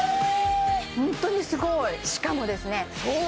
ホントにすごいしかもですねうわ